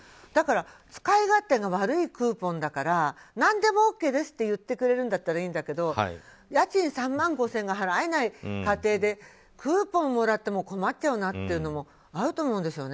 使い勝手の悪いクーポンだから何でもＯＫですって言ってくれるんだったらいいんだけど家賃３万５０００円が払えない家庭でクーポンもらっても困っちゃうなっていうのはあると思うんですよね。